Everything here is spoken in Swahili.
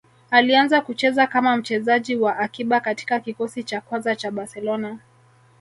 Alianza kucheza kama mchezaji wa akiba katika kikosi cha kwanza cha Barcelona